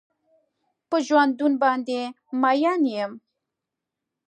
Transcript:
په ژوندون باندې مين يم.